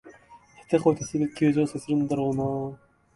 下手こいてすぐに救助要請するんだろうなあ